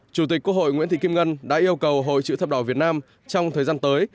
chủ tịch quốc hội nguyễn thị kim ngân đã yêu cầu hội chữ thập đỏ việt nam trong thời gian tới